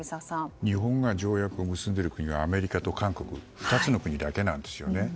日本が条約を結んでいる国はアメリカと韓国の２つの国だけなんですよね。